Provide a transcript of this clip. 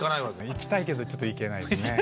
いきたいけどちょっといけないですね。